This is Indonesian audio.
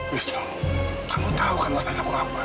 wisnu kamu tahu kan masalahku apa